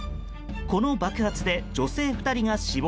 この爆発で、女性２人が死亡。